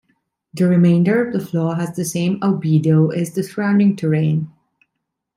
The remainder of the floor has the same albedo as the surrounding terrain.